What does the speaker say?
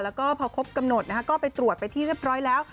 แล้วก็พอครบกำหนดนะคะก็ไปตรวจไปที่เรียบร้อยแล้ว